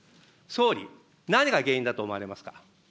総理、何が原因だと思われますか。